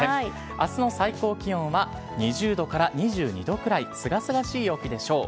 あすの最高気温は２０度から２２度くらい、すがすがしい陽気でしょう。